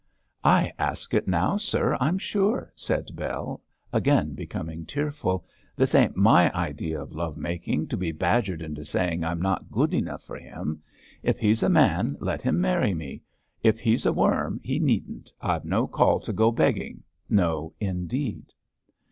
'I ask it now, sir! I'm sure,' said Bell, again becoming tearful, 'this ain't my idea of love making, to be badgered into saying I'm not good enough for him. If he's a man let him marry me, if he's a worm he needn't. I've no call to go begging. No, indeed!'